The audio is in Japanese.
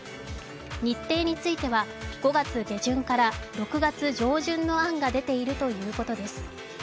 日程については、５月下旬から６月上旬の案が出ているということです。